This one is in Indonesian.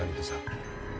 jangan tengok dulu